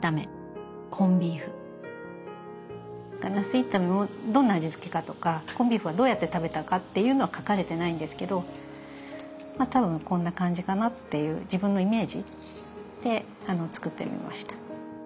茄子炒めもどんな味付けかとかコンビーフはどうやって食べたかっていうのは書かれてないんですけどまあ多分こんな感じかなっていう自分のイメージで作ってみました。